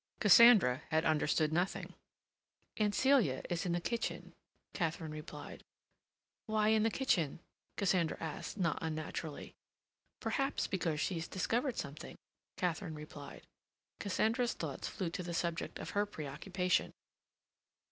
Cassandra had understood nothing. "Aunt Celia is in the kitchen," Katharine repeated. "Why in the kitchen?" Cassandra asked, not unnaturally. "Probably because she's discovered something," Katharine replied. Cassandra's thoughts flew to the subject of her preoccupation.